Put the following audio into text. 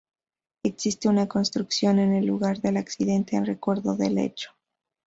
Existe una construcción el el lugar del accidente en recuerdo del hecho.